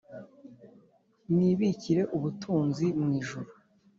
mwibikire ubutunzi mu ijuru